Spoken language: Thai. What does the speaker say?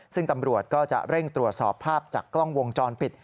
ซึ่งตำรวจก็จะเร่งตรวจสอบภาพจากกล้องวงจรปิด